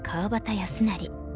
康成。